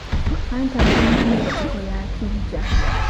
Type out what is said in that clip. Anti addingana ekitiko y'akiggya.